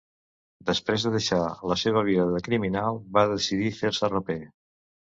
Després de deixar la seva vida de criminal, va decidir fer-se raper.